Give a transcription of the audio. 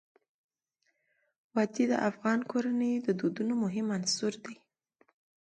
وادي د افغان کورنیو د دودونو مهم عنصر دی.